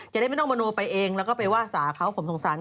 จะได้ไม่ต้องมโนไปเองแล้วก็ไปว่าสาเขาผมสงสาร